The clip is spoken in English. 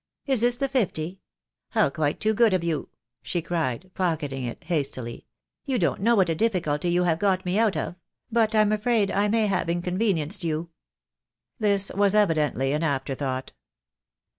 "Is this the fifty? How quite too good of you," she cried, pocketing it hastily. "You don't know what a difficulty you have got me out of; but I'm afraid I may have inconvenienced you." This was evidently an after thought.